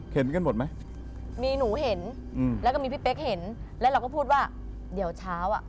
เห็นกันหมดไหมมีหนูเห็นอืมแล้วก็มีพี่เป๊กเห็นแล้วเราก็พูดว่าเดี๋ยวเช้าอ่ะ